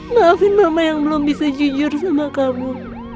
maafin mama yang belum bisa jujur sama kamu